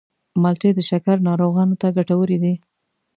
مالټې د شکرې ناروغانو ته ګټورې دي.